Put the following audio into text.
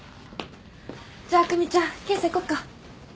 じゃあ久美ちゃん検査行こっか。